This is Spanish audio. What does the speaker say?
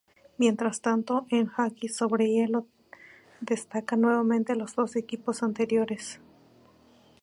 Mientras tanto, en hockey sobre hielo destacan nuevamente los dos equipos anteriores.